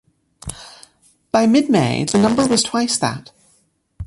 By mid-May, the number was twice that.